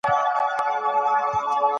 تخنيکي معلومات د توليد په طرز کي اصلاح راولي.